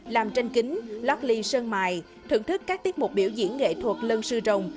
làm tranh kính lót ly sơn mài thưởng thức các tiết mục biểu diễn nghệ thuật lân sư rồng